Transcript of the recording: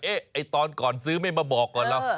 ไอ้ตอนก่อนซื้อไม่มาบอกก่อนเรา